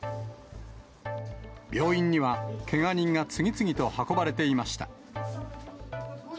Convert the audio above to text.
病院にはけが人が次々と運ばれていました。